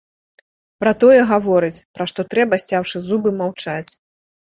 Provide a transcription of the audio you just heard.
Пра тое гаворыць, пра што трэба, сцяўшы зубы, маўчаць.